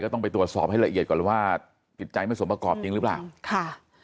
ต้องไปตรวจสอบให้ละเอียดก่อนว่าจิตใจไม่สมประกอบจริงหรือเปล่าค่ะ